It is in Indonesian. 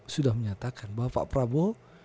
sudah menyatakan bahwa pak prabowo